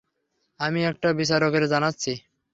আমি এখনই বিচারকদের জানাচ্ছি।